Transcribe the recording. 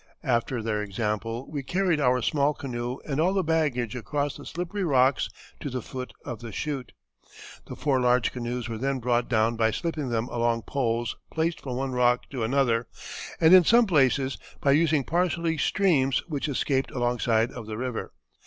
"After their example, we carried our small canoe and all the baggage across the slippery rocks to the foot of the shoot. The four large canoes were then brought down by slipping them along poles placed from one rock to another, and in some places by using partially streams which escaped alongside of the river.